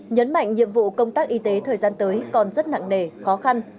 nhấn mạnh nhiệm vụ công tác y tế thời gian tới còn rất nặng nề khó khăn